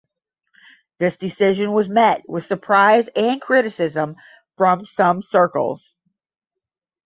This decision was met with surprise and criticism from some circles.